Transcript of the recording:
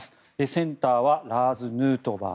センターはラーズ・ヌートバー